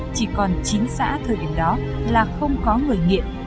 chỉ còn chín xã thời điểm đó là không có người nghiện